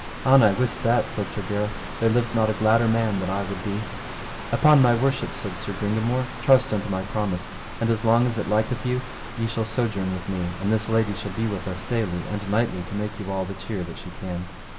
An I wist that, said Sir Gareth, there lived not a gladder man than I would be. Upon my worship, said Sir Gringamore, trust unto my promise; and as long as it liketh you ye shall sojourn with me, and this lady shall be with us daily and nightly to make you all the cheer that she can.